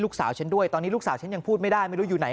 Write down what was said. ฉันด้วยตอนนี้ลูกสาวฉันยังพูดไม่ได้ไม่รู้อยู่ไหน